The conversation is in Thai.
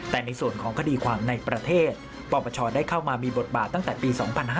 แต่ในส่วนของคดีความในประเทศปปชได้เข้ามามีบทบาทตั้งแต่ปี๒๕๕๙